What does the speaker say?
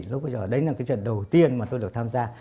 lúc bây giờ đấy là cái trận đầu tiên mà tôi được tham gia